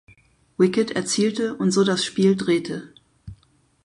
Wicket erzielte und so das Spiel drehte.